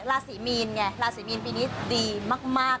ราศีมีนไงราศีมีนปีนี้ดีมาก